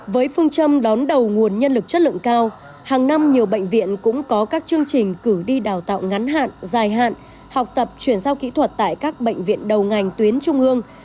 với phương châm đón đầu nguồn nhân lực chất lượng cao hàng năm nhiều bệnh viện cũng có các chương trình cử đi đào tạo ngắn hạn dài hạn học tập chuyển giao kỹ thuật tại các bệnh viện đầu ngành tuyến trung ương